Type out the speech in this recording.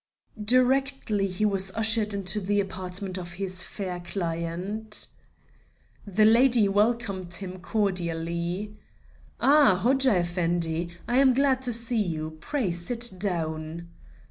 Directly he was ushered into the apartment of his fair client. The lady welcomed him cordially. "Ah! Hodja Effendi, I am glad to see you; pray sit down."